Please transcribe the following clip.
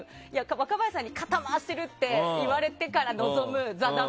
若林さんに肩回してるって言われてから臨む「ＴＨＥＷ」。